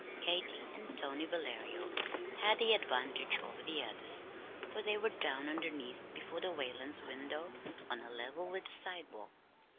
Katy, and Tony Valerio had the advantage over the others, for they were down on their knees before the Whalens' window on a level with the sidewalk.